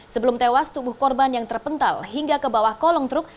sebelum tewas tubuh korban yang terpental hingga ke bawah kolong truk